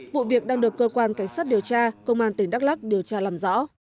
vụ việc đang được cơ quan cảnh sát điều tra công an tỉnh đắk lắk điều tra làm rõ